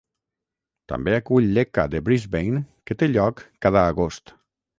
També acull l'Ekka de Brisbane que té lloc cada agost.